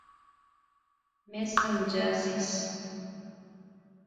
میں سمجھاسیس